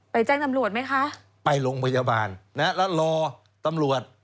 แจ้งตำรวจไหมคะไปโรงพยาบาลนะแล้วรอตำรวจ